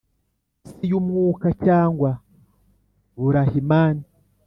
isi y’umwuka, cyangwa burahimani